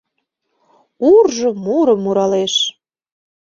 Уржо мурым муралеш